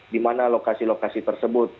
di mana lokasi lokasi tersebut